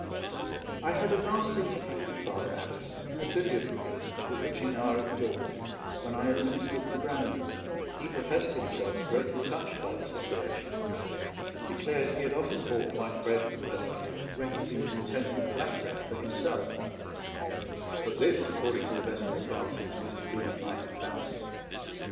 I had a last interview with Father Adam in a billiard room at the witching hour of dawn, when I administered the brandy. 8 >,*>, £1 rsf. DONKEY, PACK, AND SADDLE He professed himself greatly touched by the separation, and declared he had often bought white bread for the donkey when he had been content with black bread for himself; but this, according to the best authorities, must have been a flight of fancy.